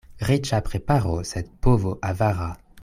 Riĉa preparo, sed povo avara.